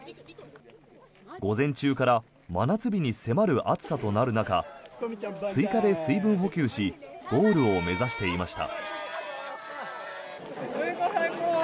午前中から真夏日に迫る暑さとなる中スイカで水分補給しゴールを目指していました。